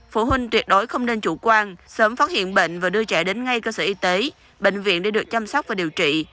phụ huynh tuyệt đối không nên chủ quan sớm phát hiện bệnh và đưa trẻ đến ngay cơ sở y tế bệnh viện để được chăm sóc và điều trị